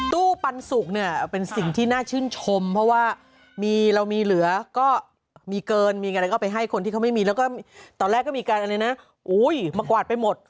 ตู้ปันสุกเนี่ยเป็นสิ่งที่น่าชื่นชมเพราะว่าเรามีเหลือก็มีเกินมีอะไรก็ไปให้คนที่เขาไม่มีแล้วก็ตอนแรกก็มีการอะไรนะมากวาดไปหมด